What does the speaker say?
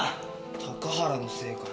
高原のせいかよ。